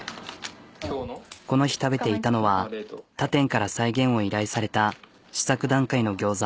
この日食べていたのは他店から再現を依頼された試作段階のギョーザ。